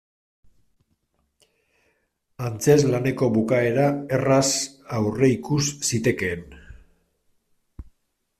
Antzezlaneko bukaera erraz aurreikus zitekeen.